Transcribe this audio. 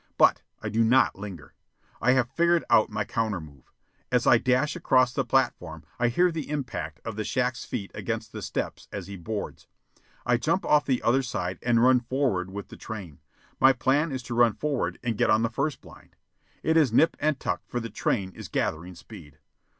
But I do not linger. I have figured out my countermove. As I dash across the platform I hear the impact of the shack's feet against the steps as he boards. I jump off the other side and run forward with the train. My plan is to run forward and get on the first blind. It is nip and tuck, for the train is gathering speed.